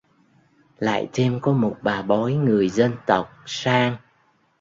Lại thêm có một bà bói người dân tộc sang